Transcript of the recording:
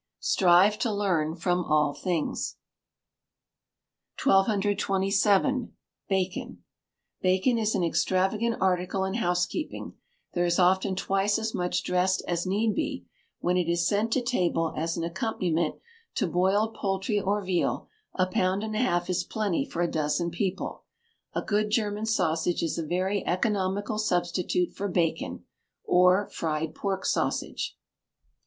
[STRIVE TO LEARN FROM ALL THINGS.] 1227. Bacon. Bacon is an extravagant article in housekeeping; there is often twice as much dressed as need be; when it is sent to table as an accompaniment to boiled poultry or veal, a pound and a half is plenty for a dozen people, A good German sausage is a very economical substitute for bacon; or fried pork sausage.